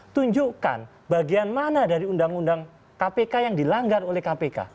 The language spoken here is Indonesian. tunjukkan bagian mana dari undang undang kpk yang dilanggar oleh kpk